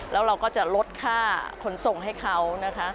แล้วเราก็จะลดค่าขนส่งให้เขานะคะ